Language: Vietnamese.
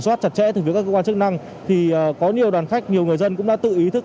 soát chặt chẽ từ phía các cơ quan chức năng thì có nhiều đoàn khách nhiều người dân cũng đã tự ý thức